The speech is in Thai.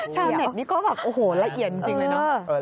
ชาวเน็ตนี่ก็แบบโอ้โหละเอียดจริงเลยเนอะ